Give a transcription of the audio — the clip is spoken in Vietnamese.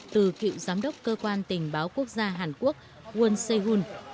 từ cựu giám đốc cơ quan tình báo quốc gia hàn quốc won se hun